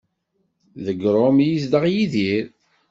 Deg Rome i yezdeɣ Yidir.